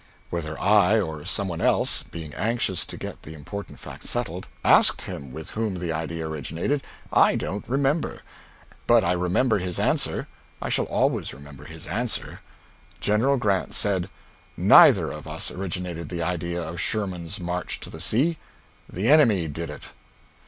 Whether I, or some one else (being anxious to get the important fact settled) asked him with whom the idea originated, I don't remember. But I remember his answer. I shall always remember his answer. General Grant said: "Neither of us originated the idea of Sherman's march to the sea. The enemy did it."